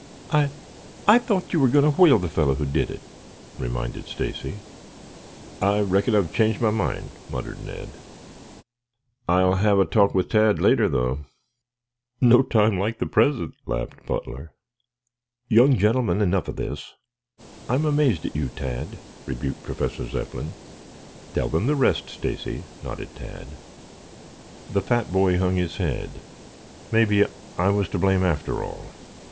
"I I thought you were going to whale the fellow who did it," reminded Stacy. "I reckon I've changed my mind," muttered Ned. "I'll have a talk with Tad later, though." "No time like the present," laughed Butler. "Young gentlemen, enough of this. I am amazed at you, Tad," rebuked Professor Zepplin. "Tell them the rest, Stacy," nodded Tad. The fat boy hung his head. "Maybe I was to blame, after all.